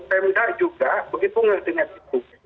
pemda juga begitu ngerti ngerti